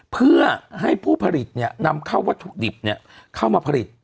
เพื่อให้ผู้ผลิตนำเข้าวัตถุดิบเข้ามาผลิต